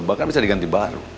bahkan bisa diganti baru